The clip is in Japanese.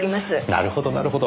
なるほどなるほど。